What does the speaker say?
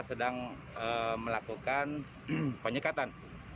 sedang melakukan penyekatan